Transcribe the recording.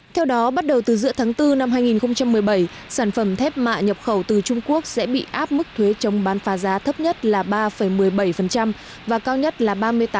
theo đó bắt đầu từ giữa tháng bốn năm hai nghìn một mươi bảy sản phẩm thép mạ nhập khẩu từ trung quốc sẽ bị áp mức thuế chống bán phá giá thấp nhất là ba một mươi bảy và cao nhất là ba mươi tám